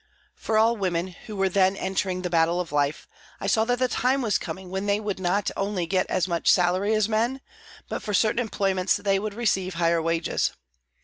For all women who were then entering the battle of life, I saw that the time was coming when they would not only get as much salary as men, but for certain employments they would receive higher wages.